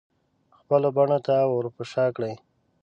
خپلو بڼو ته ورپه شا کړي